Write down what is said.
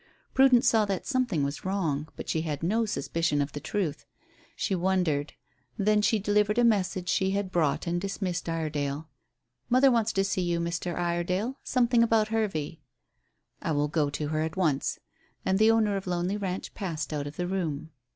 Prudence saw that something was wrong, but she had no suspicion of the truth. She wondered; then she delivered a message she had brought and dismissed Iredale. "Mother wants to see you, Mr. Iredale; something about Hervey." "I will go to her at once." And the owner of Lonely Ranch passed out of the room.